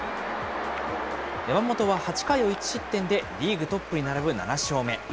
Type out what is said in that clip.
山本は８回を１失点で、リーグトップに並ぶ７勝目。